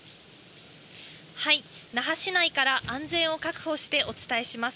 那覇市内から安全を確保してお伝えします。